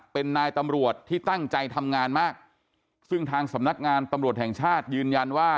เป็นนายตำรวจที่ตั้งใจทำงานมากซึ่งทางสำนักงานตำรวจแห่งชาติยืนยันว่า